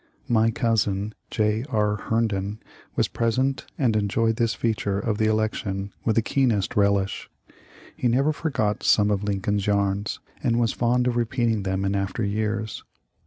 My cousin, J. R. Herndon, was present and enjoyed this feature of the election with the keenest relish. He never forgot some of Lincoln's yarns, and was fond of repeating them in after years.